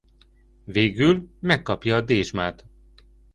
Végül megkapja a dézsmát.